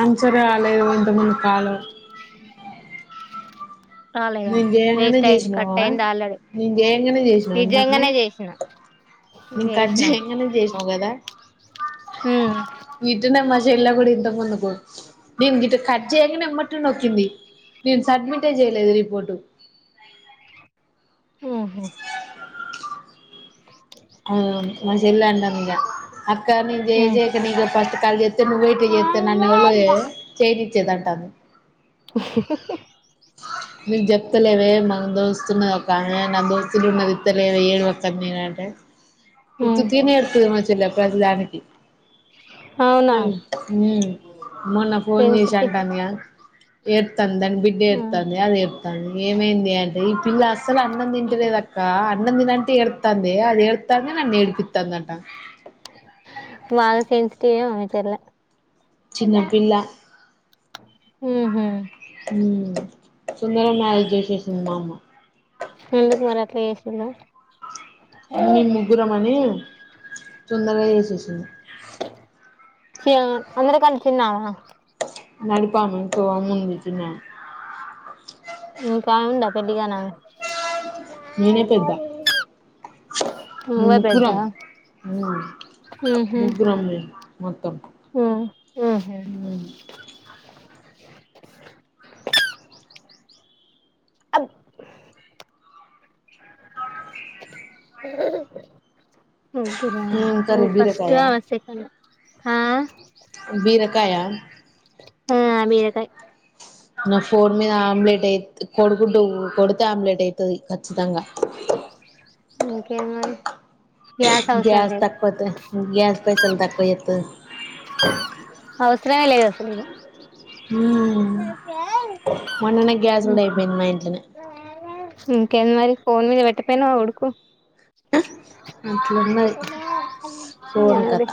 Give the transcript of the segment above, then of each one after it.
Answer రాలేదు కొంతక్ ముందు కాలో. రాలేదా నేన్ జేయంగానే వేస్ట్ అయింది కట్ చేసినావా అయింది ఆల్రెడీ నేను చేయంగానే చేసినా మటనే. నిజంగానే చేసిన నేన్ కట్ చేసిన చేయంగానే చేసినావ్ కదా ఉమ్ వీటినే మ. చేల్లా గూడా ఇంతక్ ముందు. నేన్ గిట్ట కట్ చేయ్యంగానే ఎమ్మట్ల నోక్కింది. నేన్ సడ్మిట్ ఏ జేయ్యలేద్ రిప్. [unintelligible] ఉహుమ్. ఆ మా చెల్లె అంటంది ఇగ, అక్క నేన్ ఉమ్ జేజే కానే ఇగ పస్ట్ కాల్ జేత్తే, నువ్ ఇట్టా జేత్తే నన్ను ఎవూలు యే చే. చేదాంటంది. మీక్ జేప్తలేవే మనం [unintelligible] స్తున్నది ఒక ఆమె, నా దోస్తులు ఉన్నది ఇత్తలేదు ఏడువచ్చు అని నేనంటే. ఉమ్ ఉత్తుత్తిగానే ఏడుత్తది మా చి. ఇలా ప్రతీదానికి. అవునా ఉమ్ మొన్న ఫోన్ జేసి సెన్సిటివ్ అంటంది కదా. ఏట్. తన్ బిడ్డ ఉమ్ ఏడుస్తాంది, అది ఏడుస్తాంది ఇగ ఏమైందే అన్. ఈ పిల్లా అస్. అసలు అన్నం తింటలేదక్క అన్. అన్నం తిను అంటే ఏడుస్తాందే, అది ఏడ్త్ తాంది నన్ను ఏడిపిత్తంది అంట. బాగా సేన్సిటివ్ ఏమో మీ చెల్లె. చిన్నపిల్లా. ఉహు సుందరమే మ్యారేజ్ చేసేసింది మా అమ్మ. ఎందుకు మరి అట్లా చేసిందో. తొందర్గా చేసేసింది. [unintelligible] అందరీ కంటే చిన్నమేనా. నడిపామే ఇంకో ఆమె ఉంది చిన్నమే. ఇంకా ఉందా పెళ్లిగానామే. నేనే పెద్ద, నువ్వే పెద్దా ముక్కురం ముగ్గురం మేం మొత్తం హ ఆ హా అబ్ అ ముగ్గురా ఏం కర్రీ నువ్వు ఫస్ట్ బీరకాయ ఆమె సెకండ్ ఆ బీరకాయా? ఆ బీరకాయ్ నా ఫోన్ మీద ఆమ్లెట్ ఏత్ కోడీ గుడ్డు కొడితే ఆమ్లెట్ అయితది ఖచ్చితంగా! ఇంకేం మరి అవసరం గ్యాస్ లేదు తక్కువతో గ్యాస్ పైసలు తక్కువ జేత్తది అ అససరమే లేదు అసలు ఇగ మొన్ననే గ్యాస్ కూడా అయిపోయింది మా ఇంట్లోనే ఇంకేం మరి ఫోన్ మీద పె తిప్పైనవ్ ఉడుకు అట్లున్నది ఫోన్ అదే కథ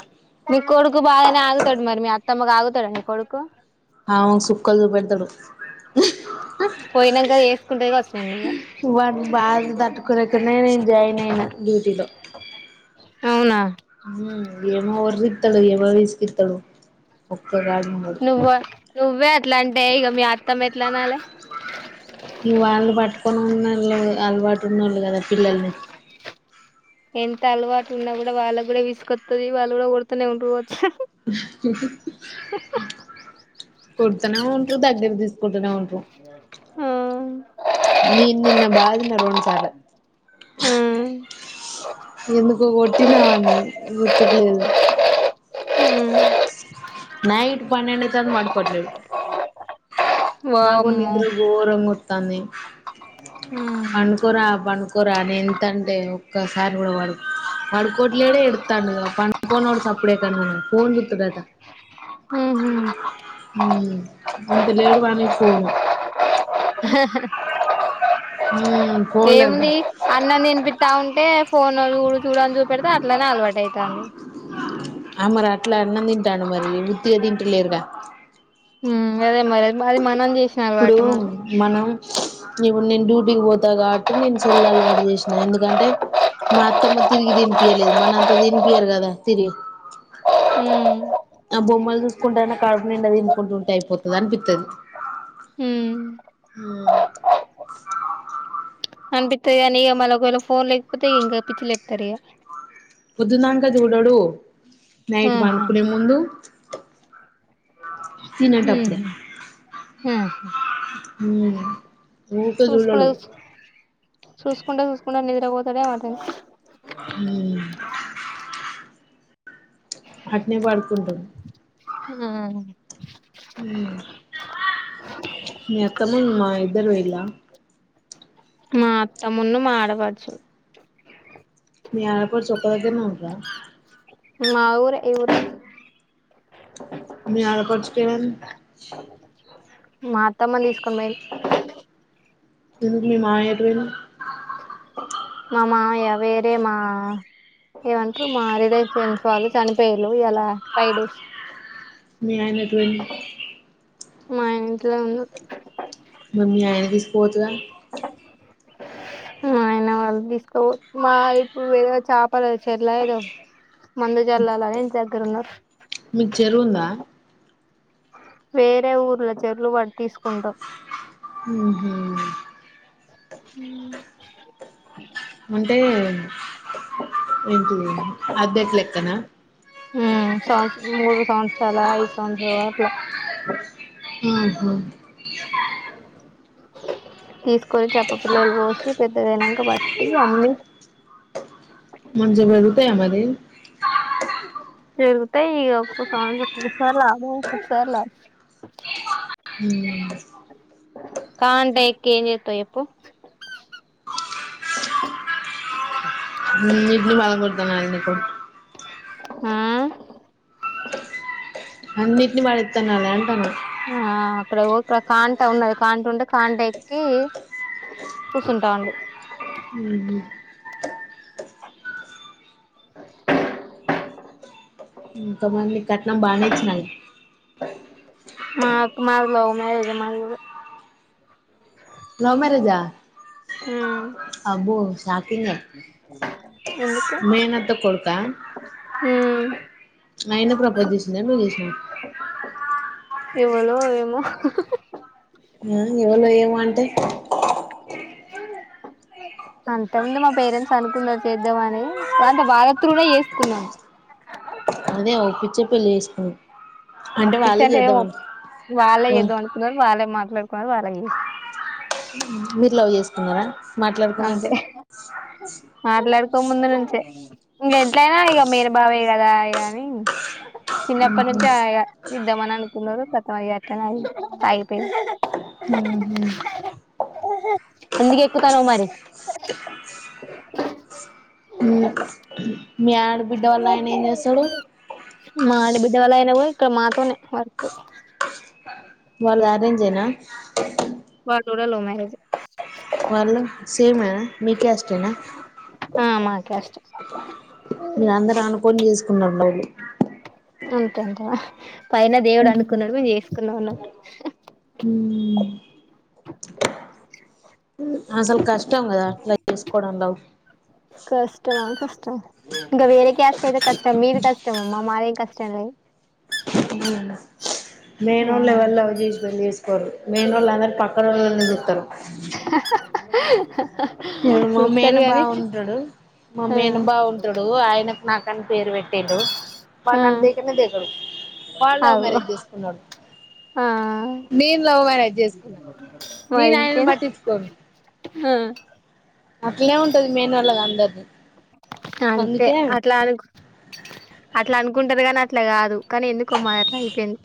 మీ కొడుకు బాగానే ఆగుతడు మరి మీ అ తమ్మగ ఆగుతడ నీ కొడుకు ఆవకు సుక్కల్ సూపెడుతడు. పోయినంక చేసుకుంటది కావచ్చు నిన్ను ఇగ వాట్ బాధ తట్టుకోలేకనే నేను జాయిన్ అయినా డ్యూటీలో అవునా మ్మ్ ఏమో ఎవర్కిత్తడో, ఎవర్ని యిస్కిత్తడో గా రాజుముండడు నువ్వు నువ్వే అట్లా అంటే ఇగ మీ అ నువ్వు వాళ్ళను పట్టుకొను ఉన్నాళ్ళు అలవాటు ఉన్నోళ్ళు కదా పిల్లల్ని ఎంత అలవాటు ఉన్నా కూడా వాళ్ళ గూడ విసుకొత్తది వాళ్ళు కూడా కొడుతనే ఉండ్రు రో కొడుతనే ఉండ్రు దగ్గర తీస్ కుటునే ఆ నే నిన్న బాధిన రోండు సార్ల ఆ ఎందుకో కొట్టినా వాన్ని గుర్తుకులేదు. మ్మ్ నైట్ పన్నెండు సంది పండుకోవట్లేడు. నాగో వామ్మో నిద్ర ఘోరంగ తనీ పనుకోరా పనుకోరా నే ఎంతంటే ఒకసారి కూడా వాడు పడుకోట్లడే ఎతా పంకోనో సప్పుడేక్క పోన్ చతుట ఉహు ఉ ఇంత లేడు వాడికి పోను ఫోన్ల ఏముంది అన్నం తినిపితా ఉంటే ఫోన్ చూడు చూడని చూపెడితే అట్లనే అలవాటు అవుతంది ఆ లేగా అదే మరి అది మనం చేసిన అలవాటు మరి ఇవ నిన్ డ్యూటీ పోతే ఉన్నారు కాబట్టి నేను సెల్ల అలవాటు చేసినా ఎందుకంటే మా అత్తమ్మ తిరిగి తినిపియలేదు మన అంత తినిపియారు కదా తిరిగి ఆ బొమ్మలు చూసుకుంటే అన్న కడుపు నిండది తినుకుంటుంటే అయిపోతుంది అనిపిస్తుది ఉమ్ ఏ అనిపిస్తా అనిక మళ ఒకేళ ఫోన్ లేకపోతే ఇంకా పిచ్చి లేపుతారు పొద్దునాక చూడడు నైట్ ఆహా పనుకునే ముందు తినేటప్పుడే హ ఉమ్ ఊకే చూస్కు చూడడు చూ చూస్కు చూ ప నిద్ర ఓతడే మాతను హామ్ అట్నీ పడుకుంటాం ఆ మీ అత్తమను ఇద్దరు పోలా మా అత్తమున్న మా ఆడపడ్చు మీ ఆడపడుచు ఒక్క దగ్గర నే ఉందా మా ఊరే ఇఊరే మీ అడపర్చు కేమైంది మా అత్తమ్మని తీసుకొని పోయింది ఇందుకు మాయ ఎటు పోయిండు మా మామయ వేరే మా ఏమంటారు మా రిలేషన్స్ వాళ్ళు చనిపోయళ ఇలా ఫైవ్ డేస్ మీ ఆయన ఎటు పోయిండు మా ఆయన ఇంట్లో ఉన్న పోదుగా ఆయన వాళ్ళు తీసుకోచ్చ మా ఇప్పుడు వేరే చేపడ చెట్లా లేదు మందు జల్లాల దగ్గర ఉన్నారు మీకు చెరువు ఉందా వేరే ఊర్ల చెర్లు పడి తీసుకుంటాం హ హ హ అంటే ఏంటి అద్దెకు లెక్కనా సంవత్సర మూడు సంవత్సరాాల ఐదు సంవత్సరాలు అట్లా ఆహ తీసు కొరి చెప్పపిిల్లలు పోసి పెద్దదనాక బట్టి అమ్మి మజే భరుూతయా మది ఇరుగుతే ఈస అ కుసార్ల [unintelligible] కాంట ఎ క ఏం చెత చెప్పు ఇడ్లు బాగా కొడతుాను అందుకు ఆా అన్నింటిని మ ఇస్తానులా అంటాను ఆ అక్కడక్కడ కాంట ఉన్నది కాంట ఉంటే కాంట ఎక్కి కూర్చుంటాంండి ఊహూ [unintelligible] త మరి మీ కట్న్నా బానే ఇచన్నా మాకు మాది లవ్ మ్యారేజ్ మ మదిగు లవ్ మ్యారేజ్ ఆ హ్మ్మ్ అబ్బో షాకింగ్ ఎందుకు మేన్తో కొడుక ఉమ్ ఆయన ప్రపోజ్ చేసిండ నువ్వు చేస ఎవలో ఏమో ఆ ఎవలో ఏమో అంటే అంతముంది మా పేరెంట్స్ అనుకున్నారు చేద్దామ అని అంటే బాగాత్ర కూడా చేసుకున్నాం అదే ఒ పిచ్చే పెళ్లిి చేసుకుని ఒప్పించంటే ఏ వాళ్ళే అను ఎద వంతున్నారు వాళ్ళే మాట్లాడు [unintelligible] మీరు లవ్ చేసుకున్నారా మాట్లాడుకున్నాక అంతే మాట్లాడుకో ముందు నుంచే ఇం ఎట్లయినా ఇక మీర బావయ కదా గాని చిన్నప్పటి నుంచి ఆ ఇద్దామని అనుకున్నారు కొత్తది అట్ట ఆగి పోయింది ఎందుకు ఎక్కు తను మరి హ మ బిడ్డ వల ఆయన కూడా ఇక్కడ మాతోనే వర్కు వాళ్ళు అరేంజ్ ఏనా వాళ్ళు కూడా లవ్ మ్యారేజ్ ఏ వాళ్ళ సేమ్ అ మీ కాస్ట్ ఏనా [unintelligible] చేసుకున్నారు లవ్లు అంతేంట పైన దేవుడు అనుకున్నాడు మేము చేసుకున్నాం అన్నట్ అసలు కష్టం కదా అట్లా చేసుకోవడంంలో కష్టమా కష్టం ఇంకా వేరే క్యాస్ట్ అయితే కష్టం మీది కష్టం అమ్మా మాదేం కష్టం లే ఆ లేనొల్లు ఎవర్ని లవ్ చేసి పెళ్ళి చేసుకోరు మెన్ ఓళ్ళ అందరూ పక్కనోళ్ళనీ చుత్తరు హ అడు మామేన బాగుంటాడు ఆ మామేన బాగుంటాడు ఆయనకు నాకుని పేరు పెట్టేండు వాళ్ళ ఆ నన్న దగ్గరనే దగ్గరు వాళ్ళ లవ్ అగో మ్యారేజ్ చేసుకున్నాడు ఆ నేను లవ్ మ్యారేజ్ చేసుకున్నా నేను ఆయన పట్టించుకోను హా అట్నే ఉంటది మెయిన్ వాళ్ళగా అందరిది అంతే అందుకే అట్లా అగు అట్లా అనుకుంటారు కాని అట్లా కాదు కానీ ఎందుకుమ్ మాది అట్లా అయిపోయింది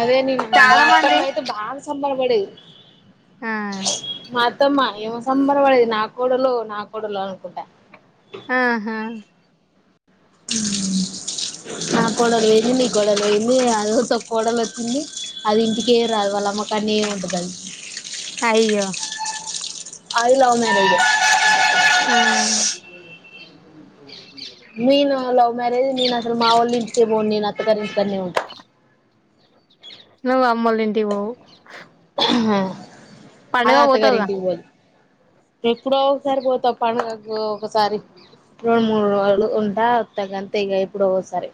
అదే నే మా చాలా అత్త మంది అయితే బాగా సంబధపడేది ఆ మా అత్తమా ఏమో సంబరవడేది నా కోడలో నా కోడలు అనుకుంటా ఆహా నా కొడల్ ఎలి కొడ అదిస కోడలు వచ్చింది అది ఇంటికే రాదు వాళ్ళమ్మకాన్నే ఉంటదది అయ్యో అది లవ్ మ్యరేజే ఆ మీనాలవ్ మ్యారేజ్ ఏ అసలు మావోళ నింటికే పోను నువ్ అమ్మలుంటివోవు హ అది పోతావుగా అత్తగారింటికి పోదు ఎప్పుడో ఒకసారి పోతా పండగకు ఒకసారి రెండు మూడు రోజులు ఉన్ వత్తగంత ఇక ఎప్పుడో ఒకసారి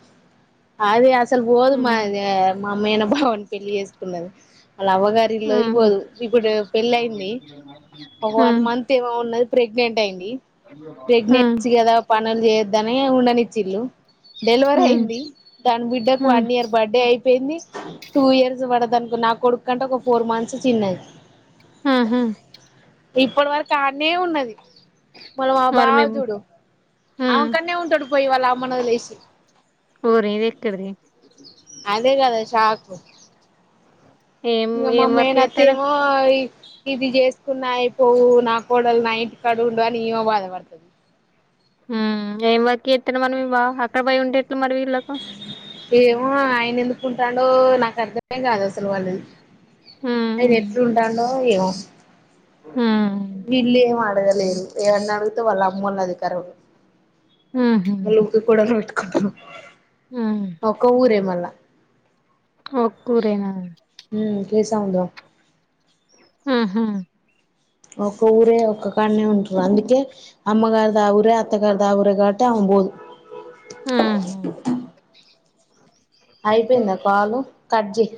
అది సలు పోదుమా ఉమ్ ఇదే మా మేన భావాని పెళ్లి చేసుకున్నది వాళ్లా అవ్వగారిలో ఉమ్ వెదిలిపోదు ఇప్పుడు పెళ్ళి అయింది ఒక ఉమ్ మంత్ ఏమో ఉన్నది ప్రెగ్నెంట్ అయింది హ్మ్ ప్రెగ్నెన్సీ కదా లు చేయొద్దని ఉండనిచ్చ ఇల్లు డెలివర్ హ్మ్ అయింది దాని బిడ్డకు హ్మ్ వన్ ఇయర్ బర్త్డే అయిపోయింది టూ ఇయర్స్ పడదానికి నా కొడుకుంటే ఒక ఫోర్ మంత్స్ చిన్న్ ఆాహా ఇప్పుడు వరకు ఉన్నది మన మా మరి భవ మీ జడో హ్మ్. అక్కడనే ఉంటాడు పోయి వల్ల రామన్నది లేసి రేది ఎక్కడది అదే కదా షాక్ ఓ ఏం ఇగ మా ఏం వర్క్ మేనత్త జేత్తడు? ఏమో ఇది చేసుకున్నాయి పోవు నా కోడళ నైట్ కడు ఉండ అని ఈమా బాధపడుతుది ఏం వర్క్ చేస్తాడు మరి మీ బావ అక్కడ పోయి ఉంటే ఎట్ల మరి వీళ్ళకి ఏమో ఆయన ఎందుకుంటాడో నాకు అర్థమేం కాదు అసలు వాళ్ళని అయిన హ్మ్. ఎప్పుడూ ఉంటాడో అయ్యో హ్మ్. వీళ్లేమో డ లేదు ఏవన్న అడుగుతే వాళ్ళ అమ్మను అడుగుతారు [unintelligible] హుహు. [unintelligible] హ్మ్. ఒక ఊరే మళ్ళ ఒక్క ఊరేనా [unintelligible] హా ఒక్క ఊరే ఒక్క కాన్నే ఉంటారు అందుకే అమ్మగారి దా ఊరే అత్తగారి దా ఊరే కాబట్టి అ పోదు ఆహా! [unintelligible] అయిపోయిందా కాలు కట్ చేయి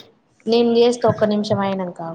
నేను చేస్తా ఒక్క నిమిషం అయిన కా